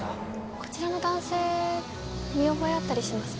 こちらの男性見覚えあったりしますか？